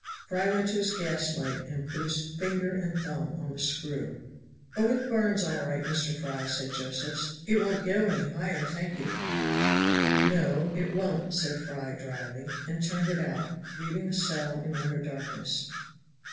Fry went to his gaslight and put his finger and thumb on the screw. "Oh! it burns all right, Mr. Fry," said Josephs, "it won't go any higher, thank you." "No, it won't," said Fry dryly, and turned it out, leaving the cell in utter darkness.